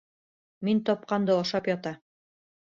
Мин тапҡанды ашап ята.